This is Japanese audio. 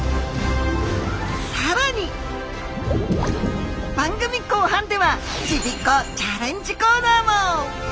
さらに番組後半では「ちびっこチャレンジコーナー」も！